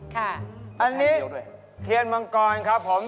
ค่ะอันนี้เทียนมังกรครับผม